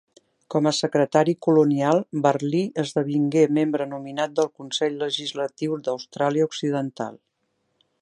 Com a secretari colonial, Barlee esdevingué membre nominat del Consell Legislatiu d'Austràlia Occidental.